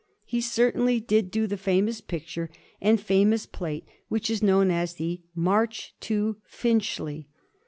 He certainly did do the famous picture and famous plate which is known as the " March to Finchley."